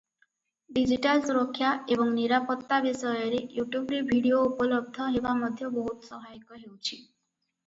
Digital ସୁରକ୍ଷା ଏବଂ ନିରାପତ୍ତା ବିଷୟରେ ୟୁଟ୍ୟୁବରେ ଭିଡିଓ ଉପଲବ୍ଧ ହେବା ମଧ୍ୟ ବହୁତ ସହାୟକ ହେଉଛି ।